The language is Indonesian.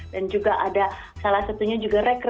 dan juga ada salah satunya juga rekreasi